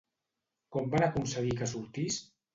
Com van aconseguir que sortís?